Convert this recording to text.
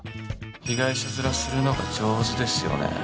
被害者面するのが上手ですよね。